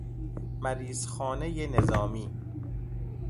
مریض خانه نظامی